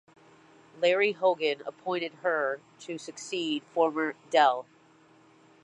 Larry Hogan appointed her to succeed former Del.